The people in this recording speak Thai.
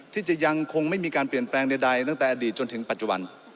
ที่จะยังคงไม่มีการเปลี่ยนแปลงใดตั้งแต่อดีตจนถึงปัจจุบัน